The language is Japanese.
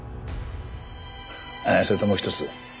ああそれともう一つ。